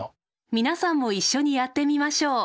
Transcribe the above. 皆さんも一緒にやってみましょう。